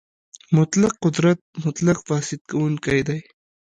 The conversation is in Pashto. مطلق قدرت مطلق فاسد کوونکی دی.